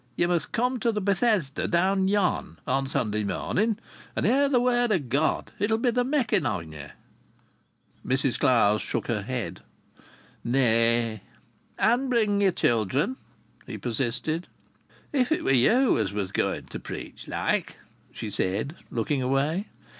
"Ye must come to th' Bethesda down yon, on Sunday morning, and hear the word o' God. It'll be the making on ye." Mrs Clowes shook her head. "Nay!" "And bring yer children," he persisted. "If it was you as was going to preach like!" she said, looking away.